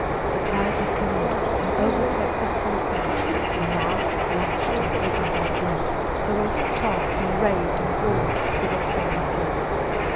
The tide had come in and overswept the whole beach, and now, lashed and driven by the wind, the waves tossed and raved and roared with appalling fury.